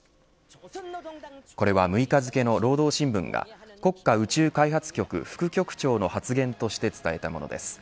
これは６日付の労働新聞が国家宇宙開発局副局長の発言として伝えたものです。